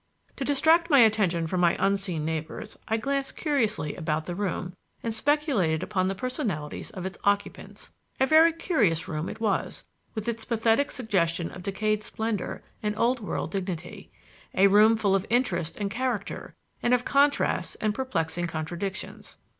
To distract my attention from my unseen neighbors I glanced curiously about the room and speculated upon the personalities of its occupants. A very curious room it was, with its pathetic suggestion of decayed splendor and old world dignity; a room full of interest and character and of contrasts and perplexing contradictions.